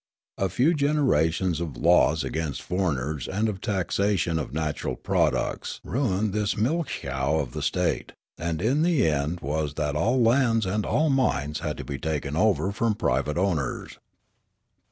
A few generations of laws against foreigners and of taxation of natural products ruined this milch cow of the state ; and the end was that all lands and all mines had to be taken over from private owners.